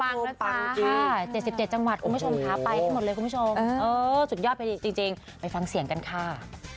ปังจริงคุณผู้ชม๕๗๗จังหวัดคุณผู้ชมค่ะไปทั้งหมดเลยคุณผู้ชมเออสุดยอดไปจริงไปฟังเสียงกันค่ะ